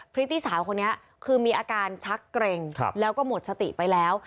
พริตตี้สาวคนนี้คือมีอาการชักเกร็งแล้วก็หมดสติไปแล้ว